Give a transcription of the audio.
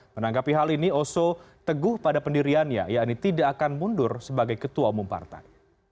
menanggapi hal ini oso teguh pada pendiriannya yakni tidak akan mundur sebagai ketua umum partai